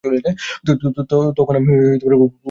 তখন আমি খুব একটা খারাপ কাজ করলাম।